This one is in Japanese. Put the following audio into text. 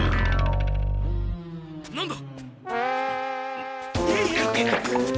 何だ！？